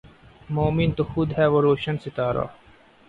مومن تو خود ھے وہ روشن ستارا